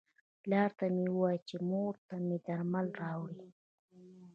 پلار ته مې وایه چې مور ته مې درمل راوړي.